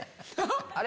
あれ？